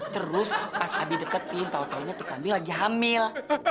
terus pas abi deketin tawa tawanya tuh kambing lagi hamil